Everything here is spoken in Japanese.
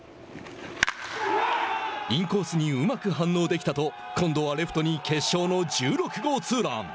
「インコースにうまく反応できた」と今度はレフトに決勝の１６号ツーラン。